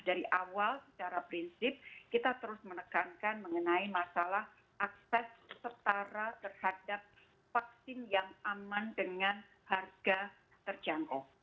dari awal secara prinsip kita terus menekankan mengenai masalah akses setara terhadap vaksin yang aman dengan harga terjangkau